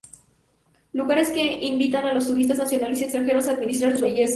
Lugares que invitan a los turistas nacionales y extranjeros a admirar sus bellezas.